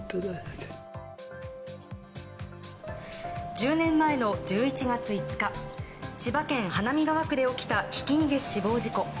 １０年前の１１月５日千葉県花見川区で起きたひき逃げ死亡事故。